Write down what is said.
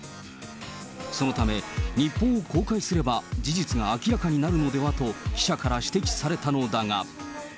そのため、日報を公開すれば事実が明らかになるのではと、記者から指摘されたのだが。